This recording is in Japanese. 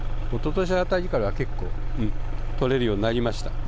おととしあたりから結構取れるようになりました。